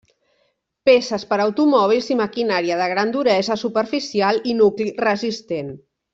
Peces per a automòbils i maquinària de gran duresa superficial i nucli resistent.